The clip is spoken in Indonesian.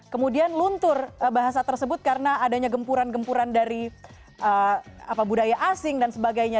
kemudian luntur bahasa tersebut karena adanya gempuran gempuran dari budaya asing dan sebagainya